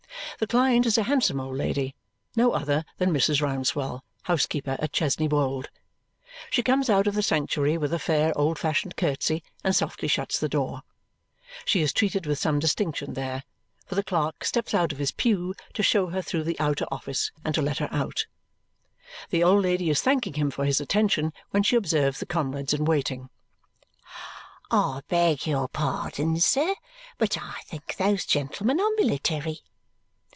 The client is a handsome old lady, no other than Mrs. Rouncewell, housekeeper at Chesney Wold. She comes out of the sanctuary with a fair old fashioned curtsy and softly shuts the door. She is treated with some distinction there, for the clerk steps out of his pew to show her through the outer office and to let her out. The old lady is thanking him for his attention when she observes the comrades in waiting. "I beg your pardon, sir, but I think those gentlemen are military?"